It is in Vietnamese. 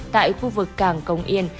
tại khu vực cảng công yên